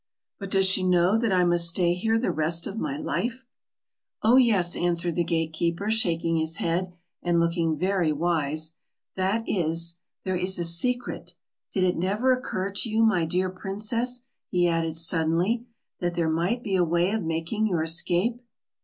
"But does she know that I must stay here the rest of my life?" "Oh yes," answered the gate keeper, shaking his head, and looking very wise. "That is there is a secret did it never occur to you, my dear princess," he added, suddenly, "that there might be a way of making your escape?"